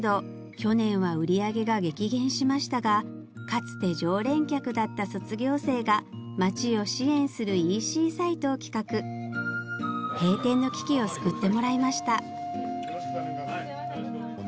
去年は売り上げが激減しましたがかつて常連客だった卒業生が街を支援するＥＣサイトを企画閉店の危機を救ってもらいました